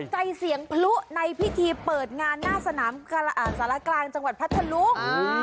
ใจเสียงพลุในพิธีเปิดงานหน้าสนามสารกลางจังหวัดพัทธลุง